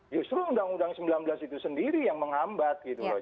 justru undang undang sembilan belas itu sendiri yang menghambat gitu loh